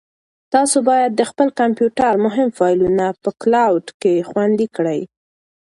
تاسو باید د خپل کمپیوټر مهم فایلونه په کلاوډ کې خوندي کړئ.